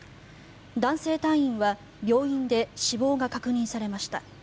男性隊員は病院で死亡が確認されました。